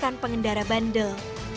dari pengendara bandel